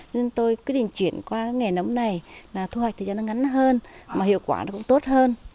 nên tôi quyết định chuyển qua nghề nấm này là thu hoạch thời gian ngắn hơn mà hiệu quả nó cũng tốt hơn